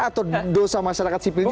atau dosa masyarakat sipil ini